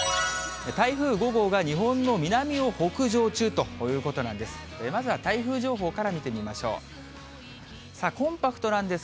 台風５号が日本の南を北上中ということなんです。